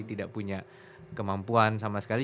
tidak punya kemampuan sama sekali